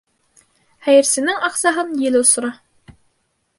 Хәйерсенең аҡсаһын ел осора.